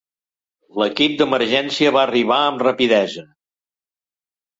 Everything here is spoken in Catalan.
L'equip d'emergència va arribar amb rapidesa.